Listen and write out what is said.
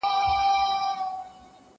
زه کولای سم قلم استعمالوم کړم